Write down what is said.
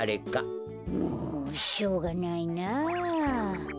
もうしょうがないな。